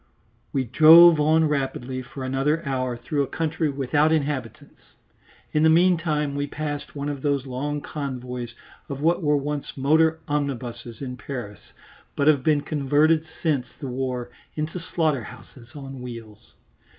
We drove on rapidly for another hour through a country without inhabitants. In the meantime we passed one of these long convoys of what were once motor omnibuses in Paris, but have been converted since the war into slaughter houses on wheels.